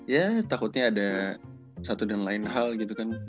ya takutnya ada satu dan lain hal gitu kan